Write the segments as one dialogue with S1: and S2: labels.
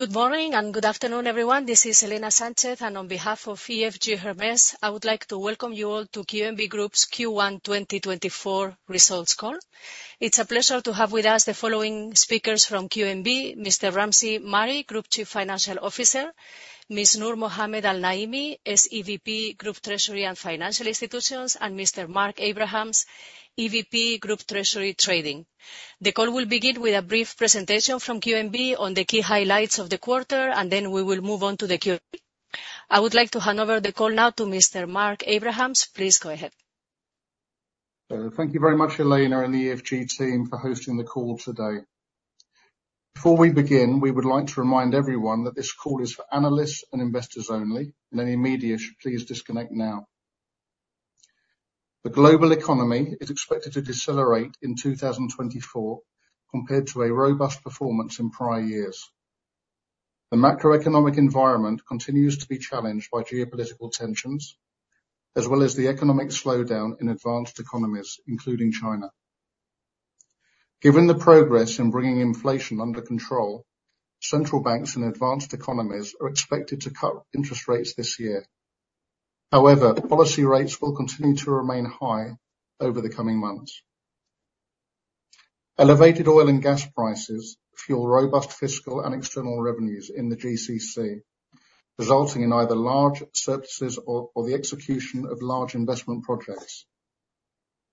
S1: Good morning and good afternoon, everyone. This is Elena Sanchez, and on behalf of EFG Hermes, I would like to welcome you all to QNB Group's Q1 2024 results call. It's a pleasure to have with us the following speakers from QNB: Mr. Ramzi Mari, Group Chief Financial Officer; Ms. Noor Mohamed Al-Naimi, SEVP Group Treasury and Financial Institutions; and Mr. Mark Abrahams, EVP Group Treasury Trading. The call will begin with a brief presentation from QNB on the key highlights of the quarter, and then we will move on to the Q&A. I would like to hand over the call now to Mr. Mark Abrahams. Please go ahead.
S2: Thank you very much, Elena and the EFG team, for hosting the call today. Before we begin, we would like to remind everyone that this call is for analysts and investors only. If any media should please disconnect now. The global economy is expected to decelerate in 2024 compared to a robust performance in prior years. The macroeconomic environment continues to be challenged by geopolitical tensions, as well as the economic slowdown in advanced economies, including China. Given the progress in bringing inflation under control, central banks in advanced economies are expected to cut interest rates this year. However, policy rates will continue to remain high over the coming months. Elevated oil and gas prices fuel robust fiscal and external revenues in the GCC, resulting in either large surpluses or the execution of large investment projects.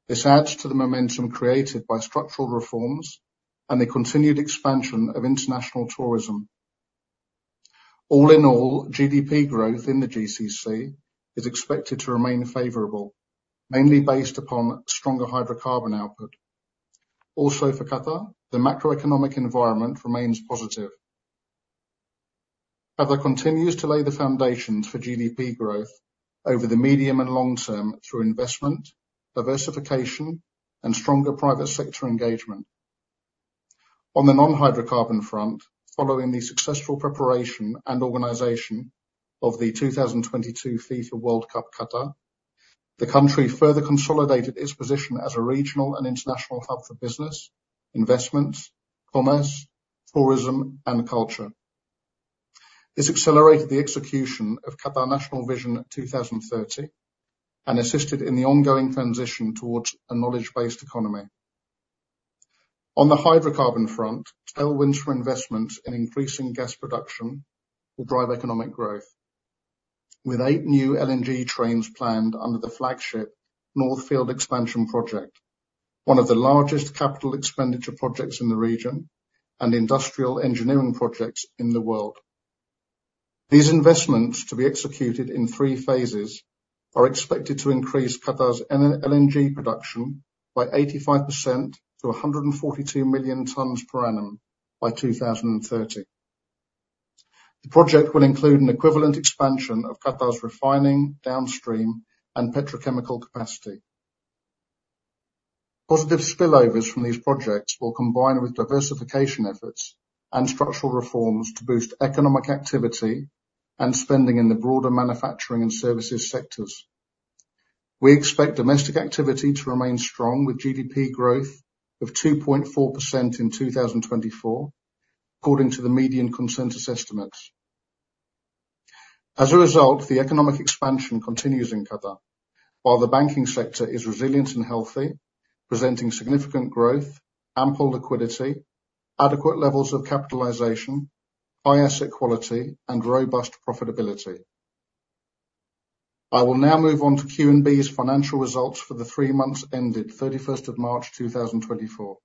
S2: This adds to the momentum created by structural reforms and the continued expansion of international tourism. All in all, GDP growth in the GCC is expected to remain favorable, mainly based upon stronger hydrocarbon output. Also, for Qatar, the macroeconomic environment remains positive. Qatar continues to lay the foundations for GDP growth over the medium and long term through investment, diversification, and stronger private sector engagement. On the non-hydrocarbon front, following the successful preparation and organization of the 2022 FIFA World Cup Qatar, the country further consolidated its position as a regional and international hub for business, investments, commerce, tourism, and culture. This accelerated the execution of Qatar's National Vision 2030 and assisted in the ongoing transition towards a knowledge-based economy. On the hydrocarbon front, tailwinds for investments in increasing gas production will drive economic growth, with eight new LNG trains planned under the flagship North Field Expansion Project, one of the largest capital expenditure projects in the region and industrial engineering projects in the world. These investments, to be executed in three phases, are expected to increase Qatar's LNG production by 85% to 142 million tonnes per annum by 2030. The project will include an equivalent expansion of Qatar's refining downstream and petrochemical capacity. Positive spillovers from these projects will combine with diversification efforts and structural reforms to boost economic activity and spending in the broader manufacturing and services sectors. We expect domestic activity to remain strong, with GDP growth of 2.4% in 2024, according to the median consensus estimates. As a result, the economic expansion continues in Qatar, while the banking sector is resilient and healthy, presenting significant growth, ample liquidity, adequate levels of capitalization, high asset quality, and robust profitability. I will now move on to QNB's financial results for the three months ended 31st of March 2024.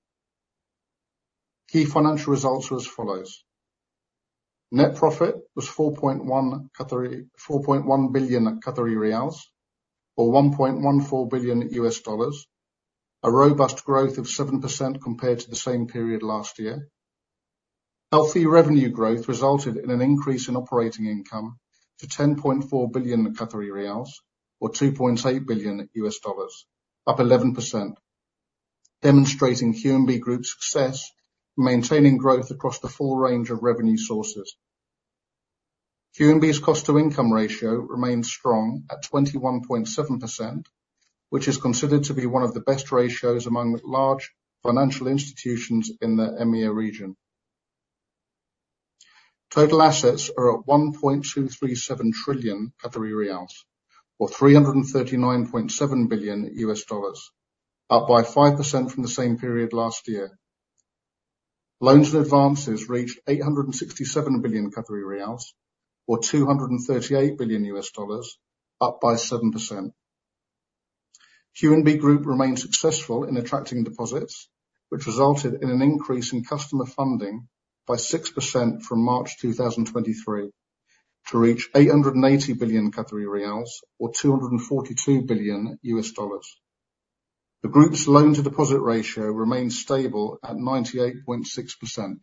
S2: Key financial results are as follows. Net profit was 4.1 billion Qatari riyals, or $1.14 billion, a robust growth of 7% compared to the same period last year. Healthy revenue growth resulted in an increase in operating income to 10.4 billion Qatari riyals, or $2.8 billion, up 11%, demonstrating QNB Group's success in maintaining growth across the full range of revenue sources. QNB's cost-to-income ratio remains strong at 21.7%, which is considered to be one of the best ratios among large financial institutions in the EMEA region. Total assets are at 1.237 trillion Qatari riyals, or $339.7 billion, up by 5% from the same period last year. Loans and advances reached 867 billion Qatari riyals, or $238 billion, up by 7%. QNB Group remained successful in attracting deposits, which resulted in an increase in customer funding by 6% from March 2023 to reach 880 billion Qatari riyals, or $242 billion. The group's loan-to-deposit ratio remained stable at 98.6%.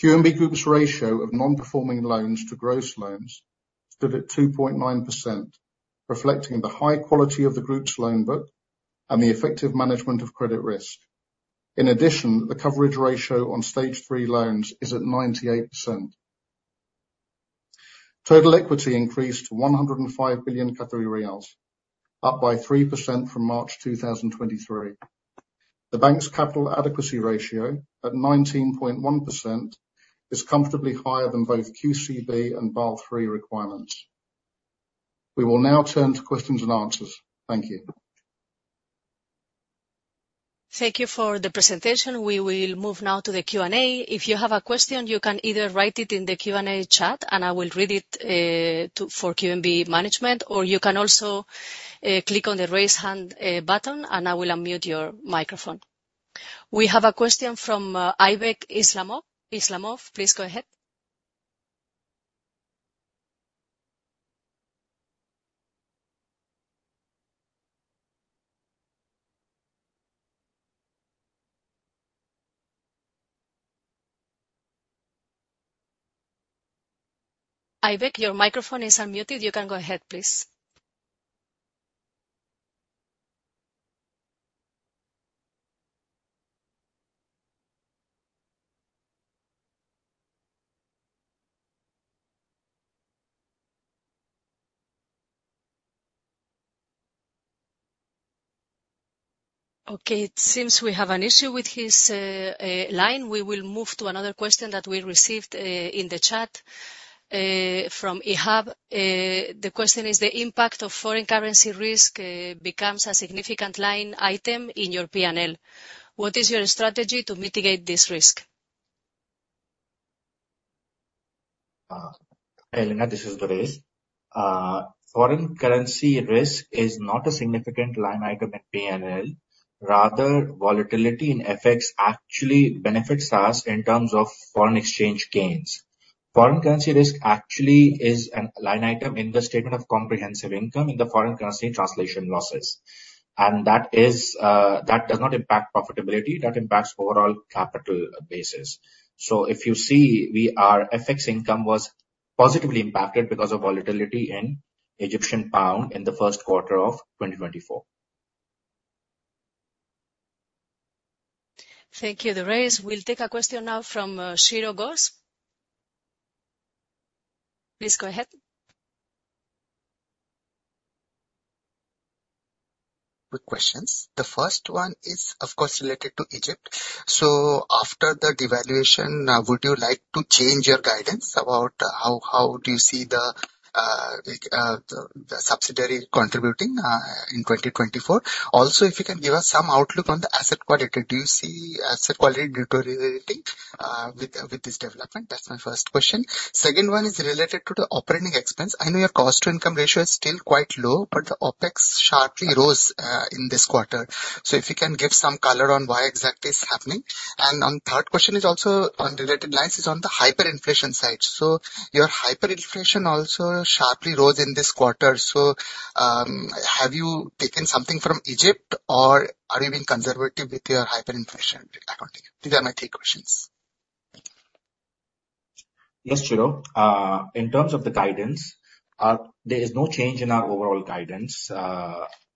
S2: QNB Group's ratio of non-performing loans to gross loans stood at 2.9%, reflecting the high quality of the group's loan book and the effective management of credit risk. In addition, the coverage ratio on stage three loans is at 98%. Total equity increased to 105 billion Qatari riyals, up by 3% from March 2023. The bank's capital adequacy ratio, at 19.1%, is comfortably higher than both QCB and Basel III requirements. We will now turn to questions and answers. Thank you.
S1: Thank you for the presentation. We will move now to the Q&A. If you have a question, you can either write it in the Q&A chat, and I will read it to QNB management, or you can also click on the raise hand button, and I will unmute your microphone. We have a question from Aybek Islamov. Islamov, please go ahead. Aybek, your microphone is unmuted. You can go ahead, please. Okay. It seems we have an issue with his line. We will move to another question that we received in the chat from Ihab. The question is, "The impact of foreign currency risk becomes a significant line item in your P&L. What is your strategy to mitigate this risk?
S3: Elena, this is Durraiz. Foreign currency risk is not a significant line item in P&L. Rather, volatility in FX actually benefits us in terms of foreign exchange gains. Foreign currency risk actually is a line item in the statement of comprehensive income in the foreign currency translation losses. And that is, that does not impact profitability. That impacts overall capital basis. So if you see, our FX income was positively impacted because of volatility in Egyptian pound in the first quarter of 2024.
S1: Thank you, Durraiz. We'll take a question now from Chiro Ghosh. Please go ahead.
S4: Quick questions. The first one is, of course, related to Egypt. So after the devaluation, would you like to change your guidance about how, how do you see the, like, the, the subsidiary contributing, in 2024? Also, if you can give us some outlook on the asset quality, do you see asset quality deteriorating, with, with this development? That's my first question. Second one is related to the operating expense. I know your cost-to-income ratio is still quite low, but the OpEx sharply rose, in this quarter. So if you can give some color on why exactly it's happening. And on third question is also on related lines, it's on the hyperinflation side. So your hyperinflation also sharply rose in this quarter. So, have you taken something from Egypt, or are you being conservative with your hyperinflation accounting? These are my three questions.
S3: Yes, Chiro. In terms of the guidance, there is no change in our overall guidance,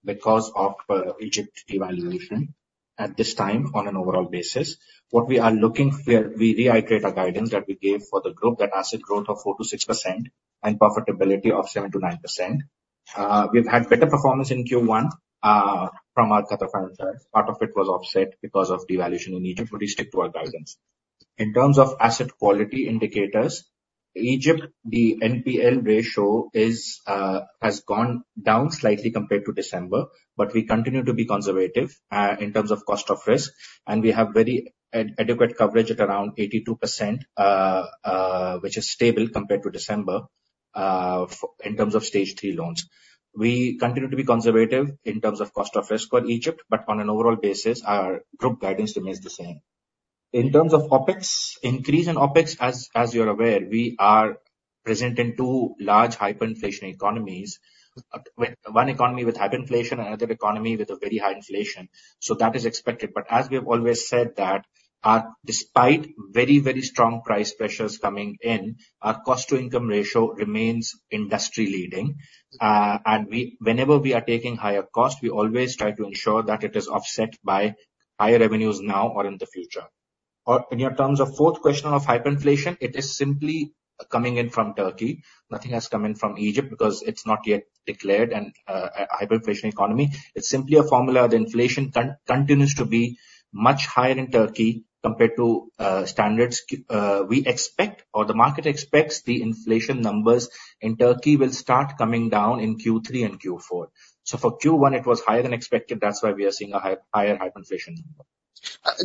S3: because of Egypt devaluation at this time on an overall basis. We reiterate our guidance that we gave for the group, that asset growth of 4%-6% and profitability of 7%-9%. We've had better performance in Q1, from our Qatar financials. Part of it was offset because of devaluation in Egypt, but we stick to our guidance. In terms of asset quality indicators, Egypt, the NPL ratio has gone down slightly compared to December, but we continue to be conservative, in terms of cost of risk, and we have very adequate coverage at around 82%, which is stable compared to December, in terms of stage three loans. We continue to be conservative in terms of cost of risk for Egypt, but on an overall basis, our group guidance remains the same. In terms of OpEx, increase in OpEx, as you're aware, we are present in two large hyperinflation economies, with one economy with hyperinflation and another economy with a very high inflation. So that is expected. But as we have always said that, despite very, very strong price pressures coming in, our cost-to-income ratio remains industry-leading. And we whenever we are taking higher costs, we always try to ensure that it is offset by higher revenues now or in the future. Or in your terms of fourth question of hyperinflation, it is simply coming in from Turkey. Nothing has come in from Egypt because it's not yet declared and, a hyperinflation economy. It's simply a formula that inflation continues to be much higher in Turkey compared to standards. We expect or the market expects the inflation numbers in Turkey will start coming down in Q3 and Q4. So for Q1, it was higher than expected. That's why we are seeing a higher hyperinflation number.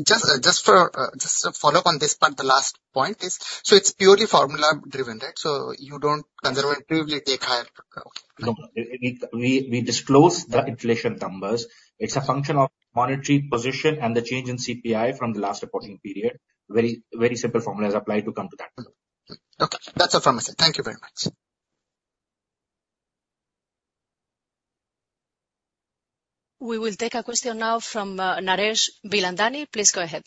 S4: Just to follow up on this part, the last point is so it's purely formula-driven, right? So you don't conservatively take higher pro okay.
S3: No, no. We disclose the inflation numbers. It's a function of monetary position and the change in CPI from the last reporting period. Very, very simple formula is applied to come to that.
S4: Okay. That's all from us. Thank you very much.
S1: We will take a question now from Naresh Bilandani. Please go ahead.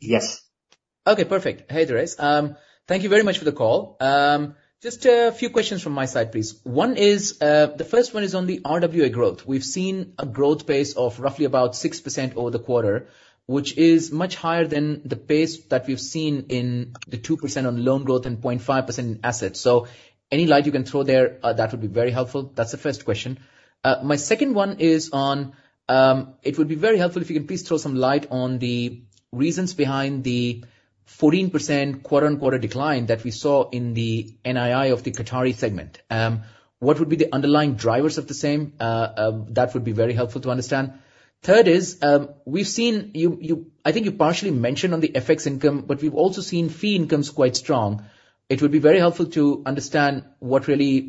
S4: Yes. Okay. Perfect. Hey, Durraiz. Thank you very much for the call. Just a few questions from my side, please. One is, the first one is on the RWA growth. We've seen a growth pace of roughly about 6% over the quarter, which is much higher than the pace that we've seen in the 2% on loan growth and 0.5% in assets. So any light you can throw there, that would be very helpful. That's the first question. My second one is on, it would be very helpful if you can please throw some light on the reasons behind the 14% quarter-on-quarter decline that we saw in the NII of the Qatari segment. What would be the underlying drivers of the same? That would be very helpful to understand. Third is, we've seen you I think you partially mentioned on the FX income, but we've also seen fee income quite strong. It would be very helpful to understand what really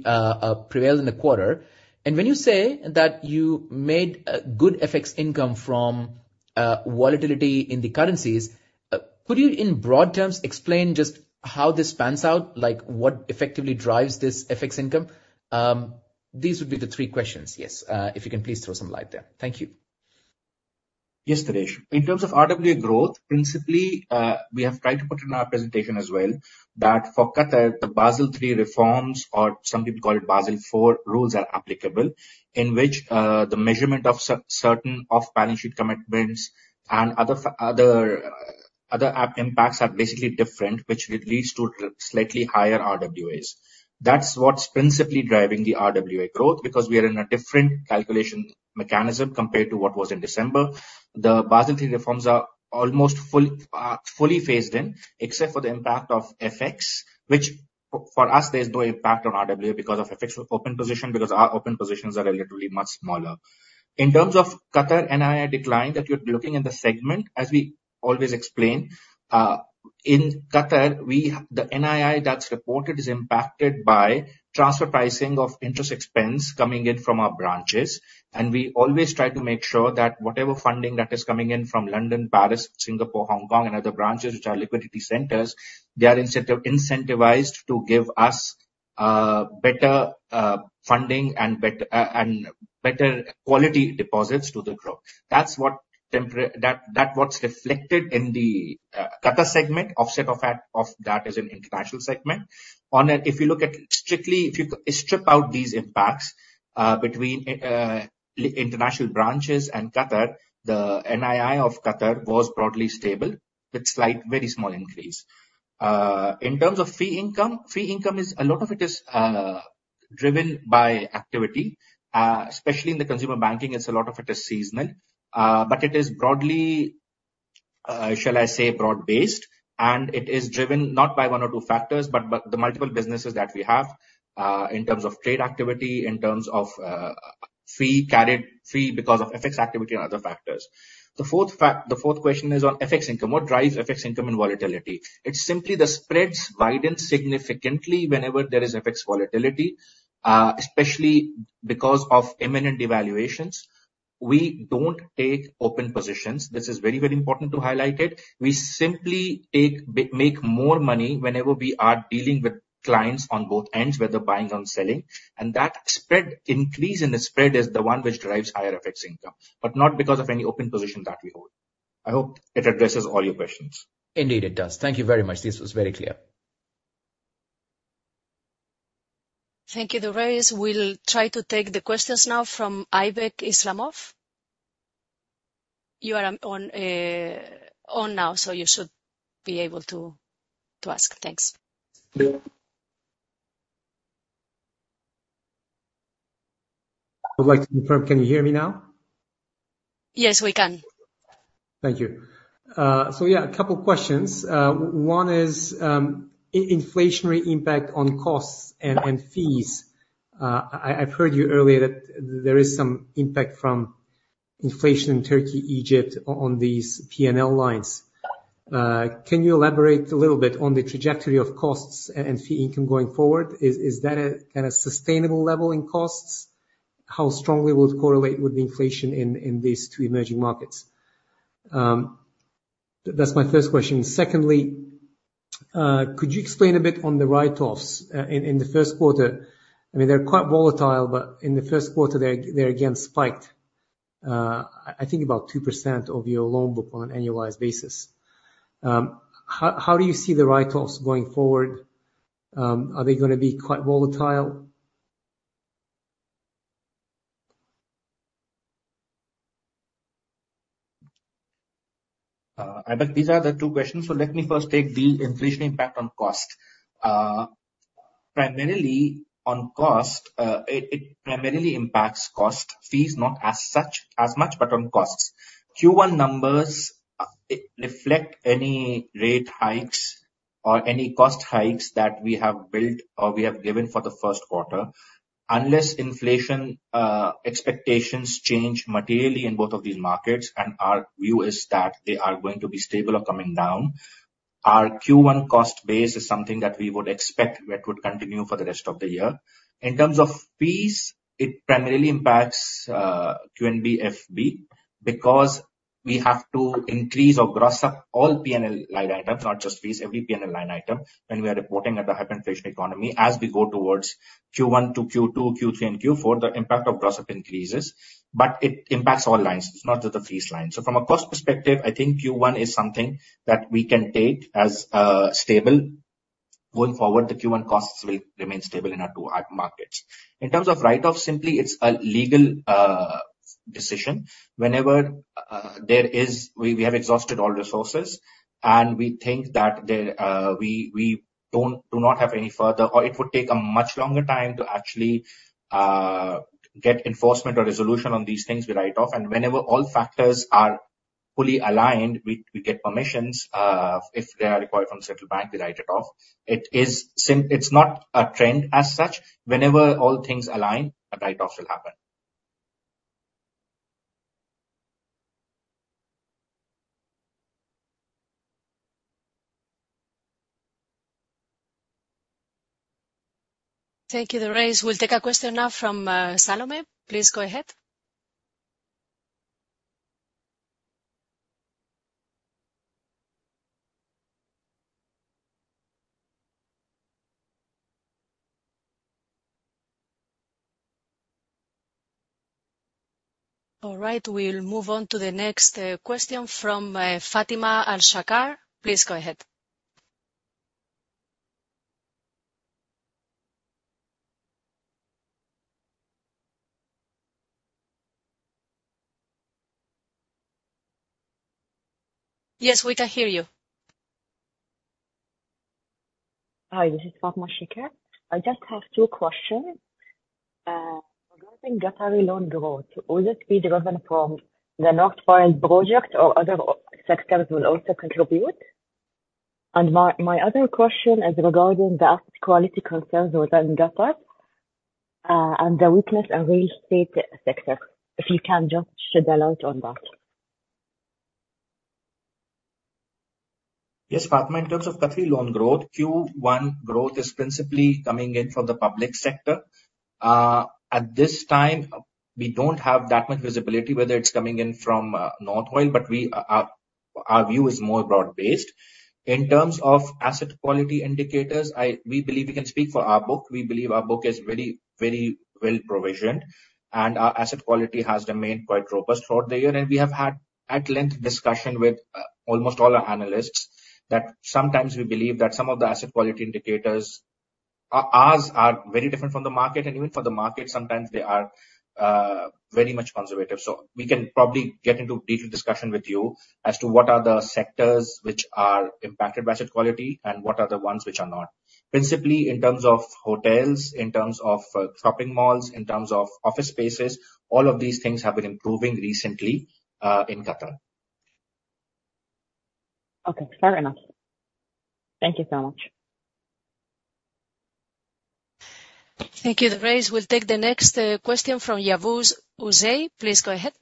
S4: prevailed in the quarter. And when you say that you made a good FX income from volatility in the currencies, could you in broad terms explain just how this pans out? Like, what effectively drives this FX income? These would be the three questions. Yes. If you can please throw some light there. Thank you.
S3: Yes, Naresh. In terms of RWA growth, principally, we have tried to put in our presentation as well that for Qatar, the Basel III reforms, or some people call it Basel IV, rules are applicable in which, the measurement of certain off-balance sheet commitments and other impacts are basically different, which leads to slightly higher RWAs. That's what's principally driving the RWA growth because we are in a different calculation mechanism compared to what was in December. The Basel III reforms are almost fully phased in, except for the impact of FX, which for us, there's no impact on RWA because of FX open positions because our open positions are relatively much smaller. In terms of Qatar NII decline, that you're looking in the segment, as we always explain, in Qatar, we have the NII that's reported is impacted by transfer pricing of interest expense coming in from our branches. And we always try to make sure that whatever funding that is coming in from London, Paris, Singapore, Hong Kong, and other branches, which are liquidity centers, they are incentivised to give us better funding and better quality deposits to the group. That's what that, that's what's reflected in the Qatar segment, offset of that as an international segment. On a if you look at strictly if you strip out these impacts between international branches and Qatar, the NII of Qatar was broadly stable with slight very small increase. In terms of fee income, fee income is a lot of it is driven by activity, especially in the consumer banking. It's a lot of it is seasonal. It is broadly, shall I say, broad-based, and it is driven not by one or two factors, but the multiple businesses that we have, in terms of trade activity, in terms of fees, credit fees because of FX activity and other factors. The fourth question is on FX income. What drives FX income and volatility? It's simply the spreads widen significantly whenever there is FX volatility, especially because of imminent devaluations. We don't take open positions. This is very, very important to highlight it. We simply make more money whenever we are dealing with clients on both ends, whether buying or selling. That spread increase in the spread is the one which drives higher FX income, but not because of any open position that we hold. I hope it addresses all your questions.
S4: Indeed, it does. Thank you very much. This was very clear.
S1: Thank you, Durraiz. We'll try to take the questions now from Aybek Islamov. You are on now, so you should be able to ask. Thanks.
S5: I'd like to confirm, can you hear me now?
S1: Yes, we can.
S5: Thank you. So yeah, a couple questions. One is, inflationary impact on costs and fees. I've heard you earlier that there is some impact from inflation in Turkey, Egypt, on these P&L lines. Can you elaborate a little bit on the trajectory of costs and fee income going forward? Is that a kind of sustainable level in costs? How strongly will it correlate with the inflation in these two emerging markets? That's my first question. Secondly, could you explain a bit on the write-offs in the first quarter? I mean, they're quite volatile, but in the first quarter, they're again spiked. I think about 2% of your loan book on an annualized basis. How do you see the write-offs going forward? Are they gonna be quite volatile?
S3: Aybek, these are the two questions. So let me first take the inflation impact on cost. Primarily on cost, it primarily impacts cost fees, not as such as much, but on costs. Q1 numbers reflect any rate hikes or any cost hikes that we have built or we have given for the first quarter, unless inflation expectations change materially in both of these markets. And our view is that they are going to be stable or coming down. Our Q1 cost base is something that we would expect that would continue for the rest of the year. In terms of fees, it primarily impacts QNBFB because we have to increase or gross up all P&L line items, not just fees, every P&L line item, when we are reporting at the hyperinflation economy as we go towards Q1 to Q2, Q3, and Q4, the impact of gross up increases. But it impacts all lines. It's not just the fees line. So from a cost perspective, I think Q1 is something that we can take as stable going forward. The Q1 costs will remain stable in our two main markets. In terms of write-offs, simply, it's a legal decision. Whenever we have exhausted all resources, and we think that we do not have any further or it would take a much longer time to actually get enforcement or resolution on these things, we write off. And whenever all factors are fully aligned, we get permissions, if they are required from the Central Bank, we write it off. It's simply not a trend as such. Whenever all things align, a write-off will happen.
S1: Thank you, Durraiz. We'll take a question now from Salome. Please go ahead. All right. We'll move on to the next question from Fatema Al-Shakar. Please go ahead. Yes, we can hear you.
S6: Hi. This is Fatema Al-Shakar. I just have two questions. Regarding Qatari loan growth, will it be driven from the North Field project, or other sectors will also contribute? And my, my other question is regarding the asset quality concerns within Qatar, and the weakness in real estate sector, if you can just shed a light on that.
S3: Yes, Fatema. In terms of Qatari loan growth, Q1 growth is principally coming in from the public sector. At this time, we don't have that much visibility whether it's coming in from North Oil, but we, our view is more broad-based. In terms of asset quality indicators, we believe we can speak for our book. We believe our book is very, very well provisioned, and our asset quality has remained quite robust throughout the year. And we have had at length discussion with almost all our analysts that sometimes we believe that some of the asset quality indicators, ours are very different from the market. And even for the market, sometimes they are very much conservative. So we can probably get into detailed discussion with you as to what are the sectors which are impacted by asset quality and what are the ones which are not. Principally, in terms of hotels, in terms of, shopping malls, in terms of office spaces, all of these things have been improving recently, in Qatar.
S6: Okay. Fair enough. Thank you so much.
S1: Thank you, Durraiz. We'll take the next question from Yavuz Uzay. Please go ahead.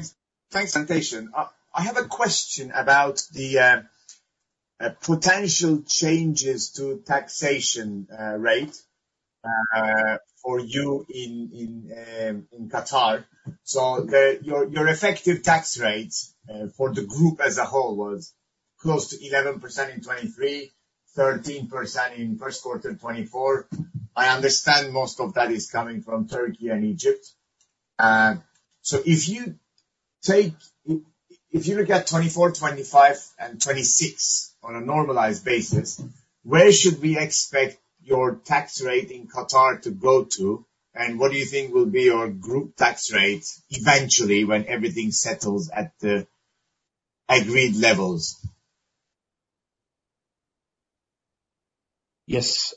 S7: Thanks. Presentation. I have a question about the potential changes to taxation rate for you in Qatar. So your effective tax rate for the group as a whole was close to 11% in 2023, 13% in first quarter 2024. I understand most of that is coming from Turkey and Egypt. So if you look at 2024, 2025, and 2026 on a normalized basis, where should we expect your tax rate in Qatar to go to, and what do you think will be your group tax rate eventually when everything settles at the agreed levels?
S3: Yes.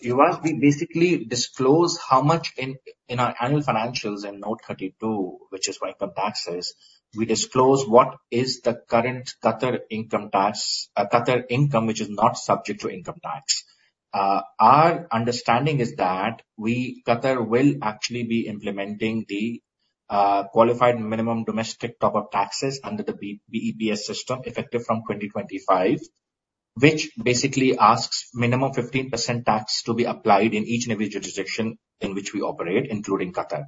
S3: You must basically disclose how much in our annual financials in Note 32, which is what income tax is. We disclose what is the current Qatar income tax Qatar income, which is not subject to income tax. Our understanding is that Qatar will actually be implementing the qualified minimum domestic top-up taxes under the BEPS system effective from 2025, which basically asks minimum 15% tax to be applied in each and every jurisdiction in which we operate, including Qatar.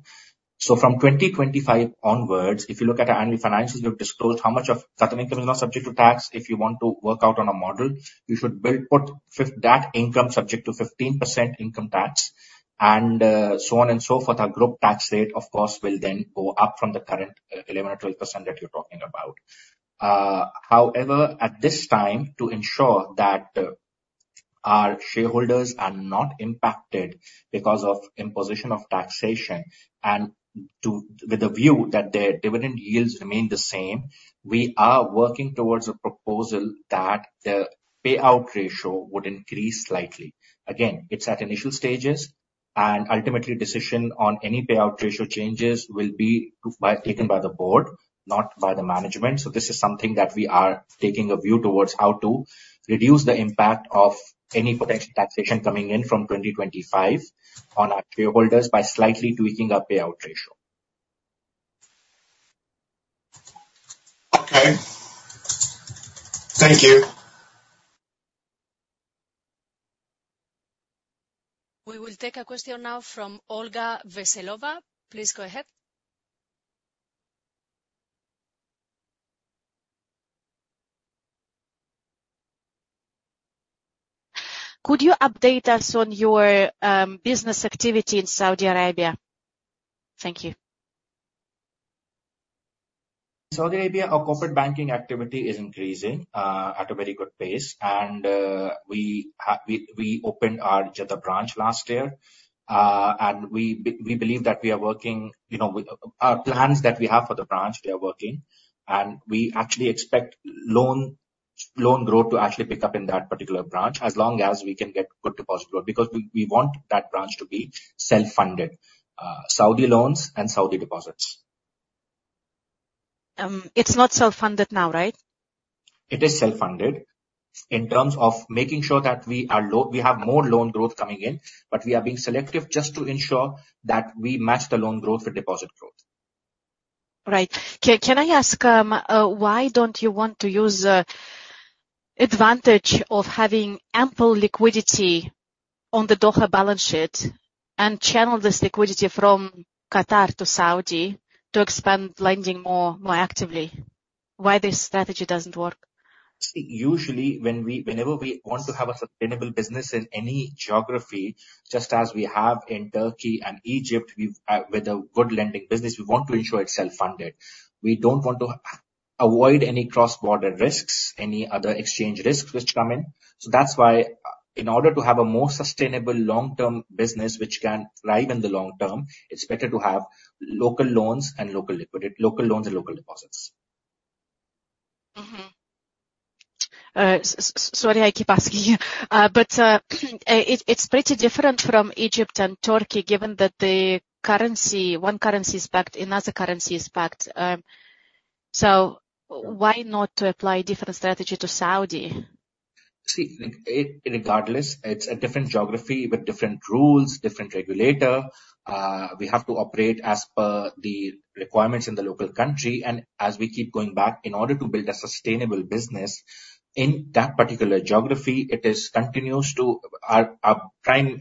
S3: So from 2025 onwards, if you look at our annual financials, we've disclosed how much of Qatar income is not subject to tax. If you want to work out on a model, you should build that income subject to 15% income tax, and so on and so forth. Our group tax rate, of course, will then go up from the current 11%-12% that you're talking about. However, at this time, to ensure that our shareholders are not impacted because of imposition of taxation and to with the view that their dividend yields remain the same, we are working towards a proposal that the payout ratio would increase slightly. Again, it's at initial stages, and ultimately, decision on any payout ratio changes will be taken by the board, not by the management. So this is something that we are taking a view towards how to reduce the impact of any potential taxation coming in from 2025 on our shareholders by slightly tweaking our payout ratio.
S7: Okay. Thank you.
S1: We will take a question now from Olga Veselova. Please go ahead.
S8: Could you update us on your business activity in Saudi Arabia? Thank you.
S3: Saudi Arabia, our corporate banking activity is increasing at a very good pace. And we opened our Jeddah branch last year, and we believe that we are working, you know, our plans that we have for the branch, they are working. And we actually expect loan growth to actually pick up in that particular branch as long as we can get good deposit growth because we want that branch to be self-funded, Saudi loans and Saudi deposits.
S8: It's not self-funded now, right?
S3: It is self-funded in terms of making sure that we are low, we have more loan growth coming in, but we are being selective just to ensure that we match the loan growth with deposit growth.
S8: Right. Can I ask, why don't you want to use advantage of having ample liquidity on the Doha balance sheet and channel this liquidity from Qatar to Saudi to expand lending more, more actively? Why this strategy doesn't work?
S3: Usually, when we want to have a sustainable business in any geography, just as we have in Turkey and Egypt, with a good lending business, we want to ensure it's self-funded. We don't want to avoid any cross-border risks, any other exchange risks which come in. So that's why, in order to have a more sustainable long-term business which can thrive in the long term, it's better to have local loans and local liquidity, local loans and local deposits.
S8: Mm-hmm. Sorry I keep asking, but it's pretty different from Egypt and Turkey given that the currency, one currency is backed, another currency is backed. So why not apply a different strategy to Saudi?
S3: See, like, irregardless, it's a different geography with different rules, different regulator. We have to operate as per the requirements in the local country. As we keep going back, in order to build a sustainable business in that particular geography, it continues to be our prime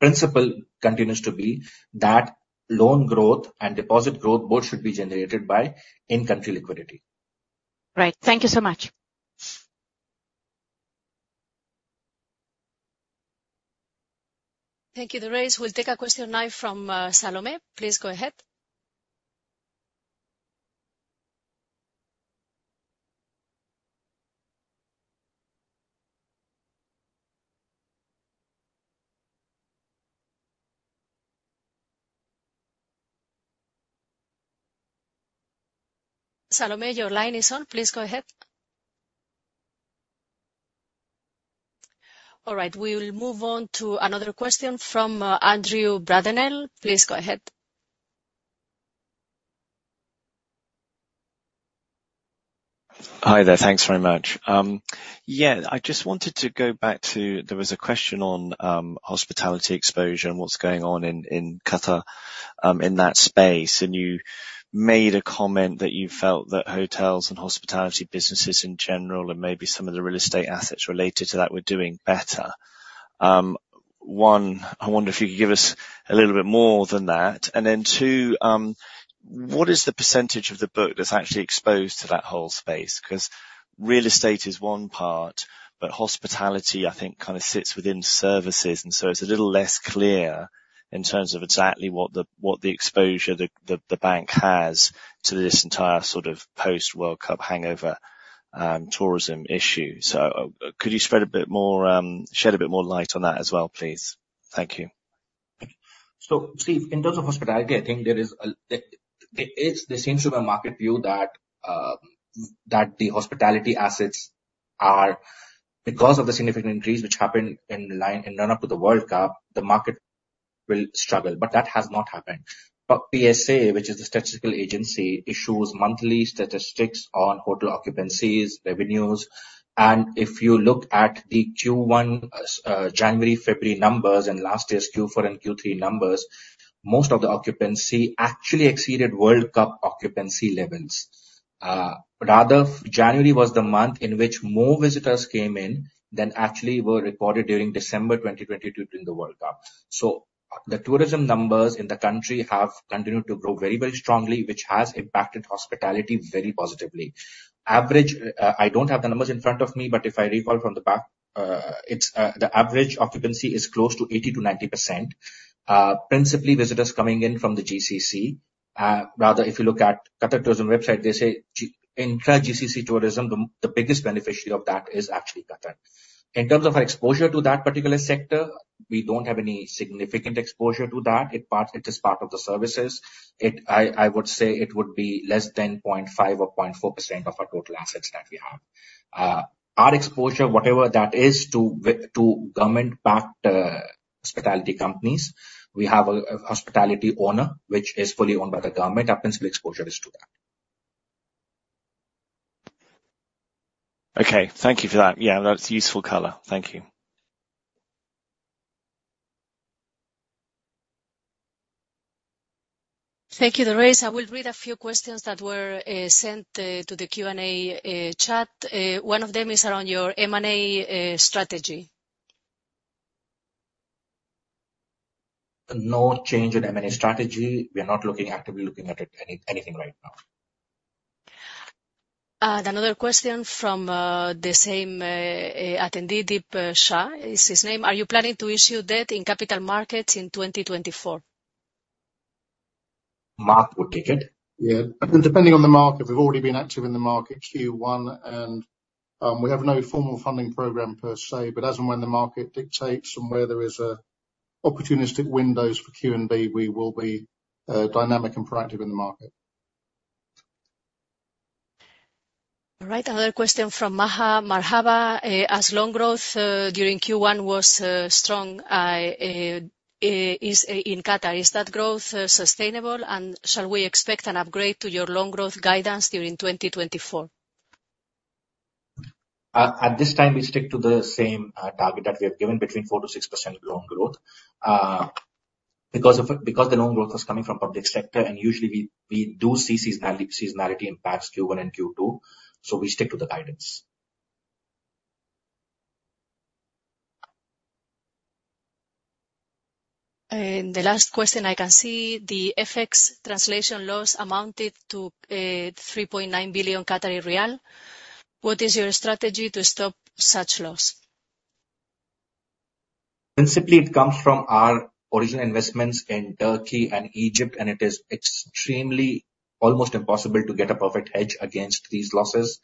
S3: principle continues to be that loan growth and deposit growth both should be generated by in-country liquidity.
S8: Right. Thank you so much.
S1: Thank you, Durraiz. We'll take a question now from Salome. Please go ahead. Salome, your line is on. Please go ahead. All right. We'll move on to another question from Andrew Brudenell. Please go ahead.
S9: Hi there. Thanks very much. Yeah, I just wanted to go back to there was a question on hospitality exposure and what's going on in Qatar, in that space. And you made a comment that you felt that hotels and hospitality businesses in general and maybe some of the real estate assets related to that were doing better. One, I wonder if you could give us a little bit more than that. And then two, what is the percentage of the book that's actually exposed to that whole space? 'Cause real estate is one part, but hospitality, I think, kinda sits within services. And so it's a little less clear in terms of exactly what the exposure the bank has to this entire sort of post-World Cup hangover, tourism issue. So, could you shed a bit more light on that as well, please? Thank you.
S3: So, in terms of hospitality, I think there is the same supermarket view that the hospitality assets are because of the significant increase which happened in line in run-up to the World Cup, the market will struggle. But that has not happened. But PSA, which is the statistical agency, issues monthly statistics on hotel occupancies, revenues. And if you look at the Q1, January, February numbers and last year's Q4 and Q3 numbers, most of the occupancy actually exceeded World Cup occupancy levels. January was the month in which more visitors came in than actually were recorded during December 2022 during the World Cup. So the tourism numbers in the country have continued to grow very, very strongly, which has impacted hospitality very positively. Average, I don't have the numbers in front of me, but if I recall from the back, it's the average occupancy is close to 80%-90%, principally visitors coming in from the GCC. Rather, if you look at Qatar Tourism website, they say GCC intra-GCC tourism, the biggest beneficiary of that is actually Qatar. In terms of our exposure to that particular sector, we don't have any significant exposure to that. It is part of the services. I would say it would be less than 0.5% or 0.4% of our total assets that we have. Our exposure, whatever that is, to various government-backed hospitality companies, we have a hospitality owner which is fully owned by the government. Our principal exposure is to that.
S9: Okay. Thank you for that. Yeah, that's useful color. Thank you.
S1: Thank you, Durraiz. I will read a few questions that were sent to the Q&A chat. One of them is around your M&A strategy.
S3: No change in M&A strategy. We are not actively looking at anything right now.
S1: Another question from the same attendee, Deep Shah. It's his name. Are you planning to issue debt in capital markets in 2024?
S3: Mark would take it.
S2: Yeah. I mean, depending on the market, we've already been active in the market Q1 and, we have no formal funding program per se. But as and when the market dictates and where there is a opportunistic windows for QNB, we will be, dynamic and proactive in the market.
S1: All right. Another question from Maha. Marhaba. As loan growth during Q1 was strong in Qatar, is that growth sustainable? And shall we expect an upgrade to your loan growth guidance during 2024?
S3: At this time, we stick to the same target that we have given between 4%-6% loan growth, because the loan growth was coming from public sector. And usually, we do see seasonality impacts Q1 and Q2. So we stick to the guidance.
S1: The last question I can see, the FX translation loss amounted to 3.9 billion. What is your strategy to stop such loss?
S3: Principally, it comes from our original investments in Turkey and Egypt, and it is extremely almost impossible to get a perfect hedge against these losses.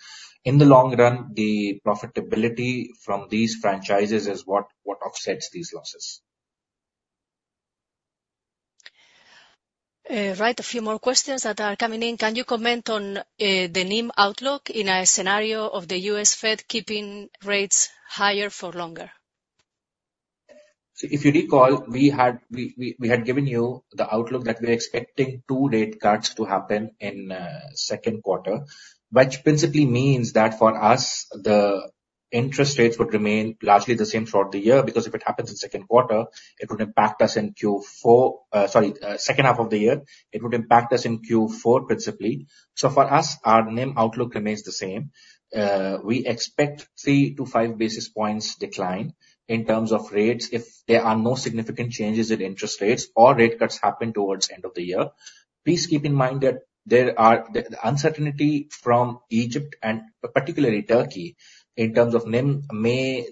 S3: In the long run, the profitability from these franchises is what, what offsets these losses.
S1: Right. A few more questions that are coming in. Can you comment on the NIM outlook in a scenario of the U.S. Fed keeping rates higher for longer?
S3: See, if you recall, we had given you the outlook that we're expecting two rate cuts to happen in second quarter, which principally means that for us, the interest rates would remain largely the same throughout the year because if it happens in second quarter, it would impact us in Q4 sorry, second half of the year. It would impact us in Q4 principally. So for us, our NIM outlook remains the same. We expect three to five basis points decline in terms of rates if there are no significant changes in interest rates or rate cuts happen towards end of the year. Please keep in mind that there are the uncertainty from Egypt and particularly Turkey in terms of NIM may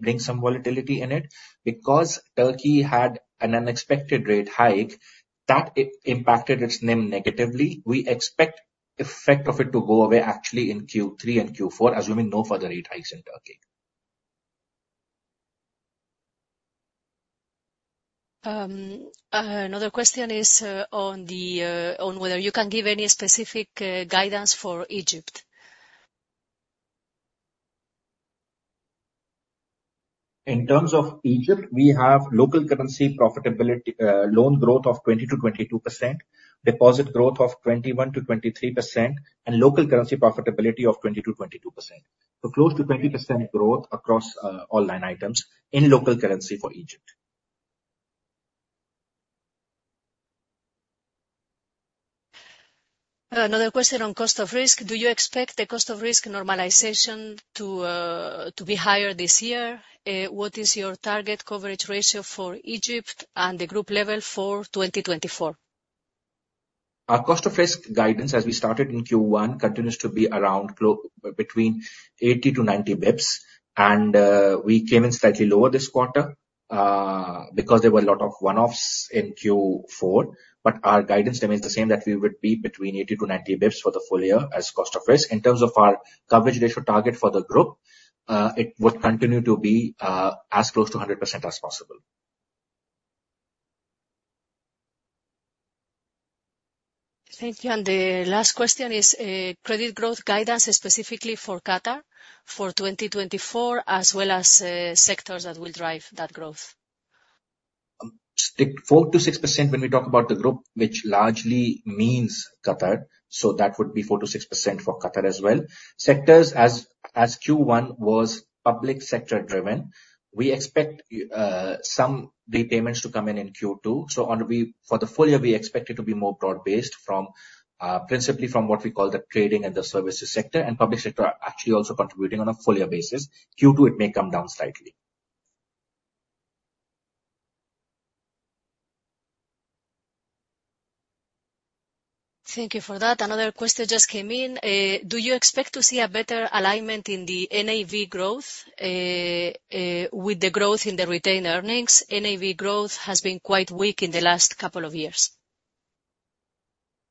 S3: bring some volatility in it because Turkey had an unexpected rate hike that impacted its NIM negatively. We expect effect of it to go away actually in Q3 and Q4 assuming no further rate hikes in Turkey.
S1: Another question is, on whether you can give any specific guidance for Egypt.
S3: In terms of Egypt, we have local currency profitability, loan growth of 20%-22%, deposit growth of 21%-23%, and local currency profitability of 20%-22%. So close to 20% growth across all line items in local currency for Egypt.
S1: Another question on cost of risk. Do you expect the cost of risk normalization to be higher this year? What is your target coverage ratio for Egypt and the group level for 2024?
S3: Our cost of risk guidance, as we started in Q1, continues to be around 80-90 basis points. And we came in slightly lower this quarter, because there were a lot of one-offs in Q4. But our guidance remains the same that we would be between 80-90 basis points for the full year as cost of risk. In terms of our coverage ratio target for the group, it would continue to be as close to 100% as possible.
S1: Thank you. And the last question is credit growth guidance specifically for Qatar for 2024, as well as sectors that will drive that growth.
S3: Stick 4%-6% when we talk about the group, which largely means Qatar. So that would be 4%-6% for Qatar as well. Sectors as Q1 was public sector-driven, we expect some repayments to come in in Q2. So on we for the full year, we expect it to be more broad-based principally from what we call the trading and the services sector. And public sector are actually also contributing on a full-year basis. Q2, it may come down slightly.
S1: Thank you for that. Another question just came in. Do you expect to see a better alignment in the NAV growth, with the growth in the retained earnings? NAV growth has been quite weak in the last couple of years.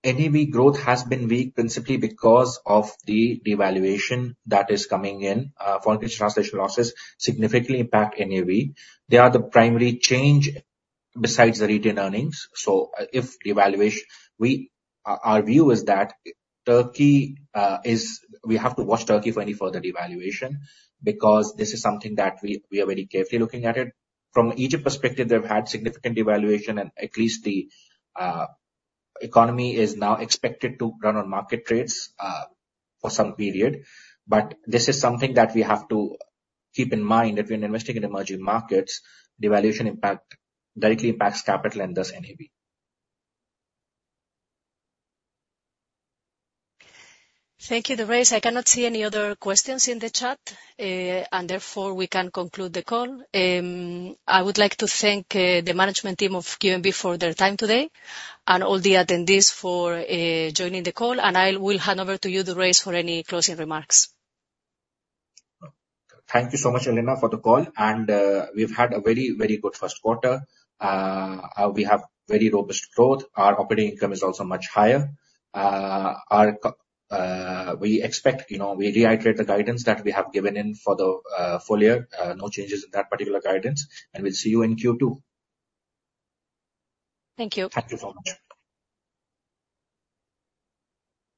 S3: NAV growth has been weak principally because of the devaluation that is coming in. Foreign exchange translation losses significantly impact NAV. They are the primary change besides the retained earnings. So, our view is that we have to watch Turkey for any further devaluation because this is something that we are very carefully looking at. From Egypt perspective, they've had significant devaluation, and at least the economy is now expected to run on market rates for some period. But this is something that we have to keep in mind that when investing in emerging markets, devaluation impacts directly impact capital and thus NAV.
S1: Thank you, Durraiz. I cannot see any other questions in the chat, and therefore, we can conclude the call. I would like to thank the management team of QNB for their time today and all the attendees for joining the call. I will hand over to you, Durraiz, for any closing remarks.
S3: Thank you so much, Elena, for the call. We've had a very, very good first quarter. We have very robust growth. Our operating income is also much higher. We expect, you know, we reiterate the guidance that we have given in for the full year. No changes in that particular guidance. We'll see you in Q2.
S1: Thank you.
S3: Thank you so much.